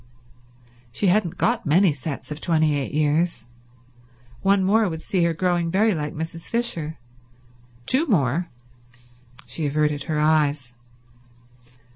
She hadn't got many sets of twenty eight years. One more would see her growing very like Mrs. Fisher. Two more— She averted her eyes.